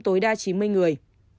tối đa chín mươi người